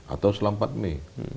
atau selama empat mei